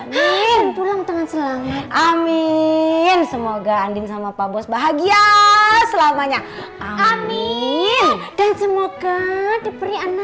hai pulang tangan selamat amin semoga andin sama pak bos bahagia selamanya amin dan semoga diberi